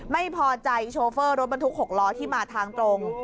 ไม่พอใจโชเฟอร์รถบรรทุก๖ล้อที่มาทางตรง